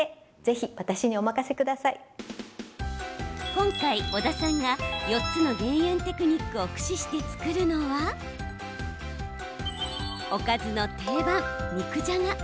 今回、小田さんが４つの減塩テクニックを駆使して作るのはおかずの定番、肉じゃが。